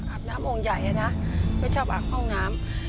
อาบน้ำองค์ใหญ่นะไม่ชอบอาบห้องน้ำ